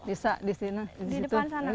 bisa di situ di depan sana